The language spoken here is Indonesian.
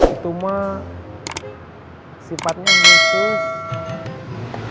itu mah sifatnya musus